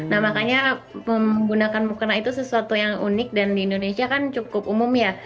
nah makanya menggunakan mukena itu sesuatu yang unik dan di indonesia kan cukup umum ya